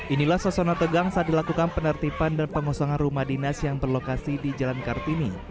inilah sosono tegang saat dilakukan penertiban dan pengosongan rumah dinas yang berlokasi di jalan kartini